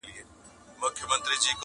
هره شمع یې ژړیږي کابل راسي؛